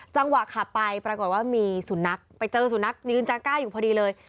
จังหวะขับไปปรากฏว่ามีสุนัขไปเจอสุนัขยืนจากก้าอยู่พอดีเลย